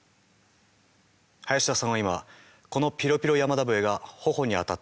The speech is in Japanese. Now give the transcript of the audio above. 林田さんは今このピロピロ山田笛が頬に当たったのを感じた。